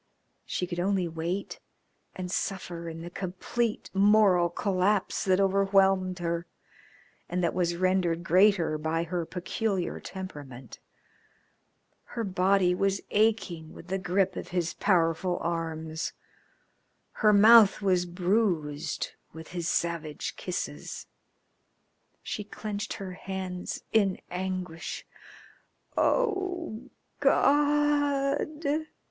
She could only wait and suffer in the complete moral collapse that overwhelmed her, and that was rendered greater by her peculiar temperament. Her body was aching with the grip of his powerful arms, her mouth was bruised with his savage kisses. She clenched her hands in anguish. "Oh, God!"